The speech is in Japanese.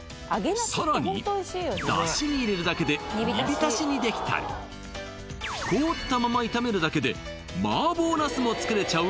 さらにだしに入れるだけで煮浸しにできたり凍ったまま炒めるだけでも作れちゃう